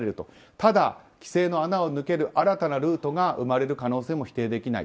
ただ、規制の穴を抜ける新たなルートが生まれる可能性も否定できない。